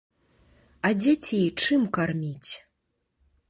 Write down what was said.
А дзяцей чым карміць?